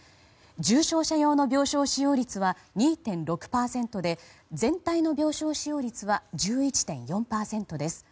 重症者用の病床使用率は２．６％で全体の病床使用率は１１．４％です。